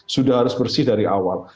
sudah harus bersih dari awal